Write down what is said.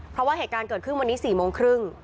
เพราะว่าเหตุการณ์เกิดขึ้นวันนี้๔โมงครึ่ง